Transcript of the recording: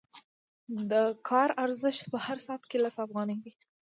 د کار ارزښت په هر ساعت کې لس افغانۍ دی